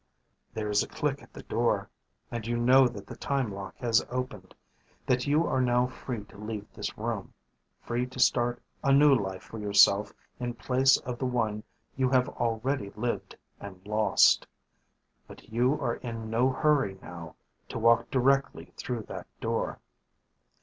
There is a click at the door and you know that the time lock has opened, that you are now free to leave this room, free to start a new life for yourself in place of the one you have already lived and lost. But you are in no hurry now to walk directly through that door.